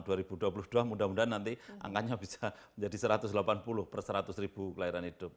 tahun dua ribu dua puluh dua mudah mudahan nanti angkanya bisa menjadi satu ratus delapan puluh perseratus ribu kelahiran hidup